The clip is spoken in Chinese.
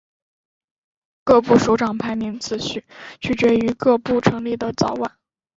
各部首长排名次序取决于各部成立的早晚。